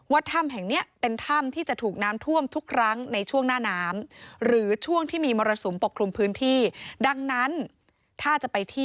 ว่าถ้ำแห่งนี้เป็นถ้ำที่จะถูกน้ำท่วมทุกครั้งในช่วงหน้าน้ำ